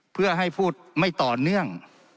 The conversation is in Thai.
เพื่อให้พูดไม่ต่อเนื่อง